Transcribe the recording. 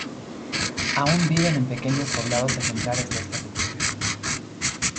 Aún viven en pequeños poblados ejemplares de esta cultura.